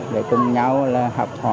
để cùng nhau là học hỏi